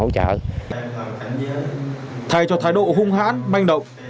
thầy cho thái độ hung hãn manh động